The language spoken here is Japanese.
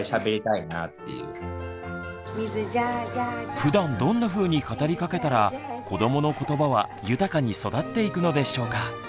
ふだんどんなふうに語りかけたら子どものことばは豊かに育っていくのでしょうか？